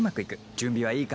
準備はいいか？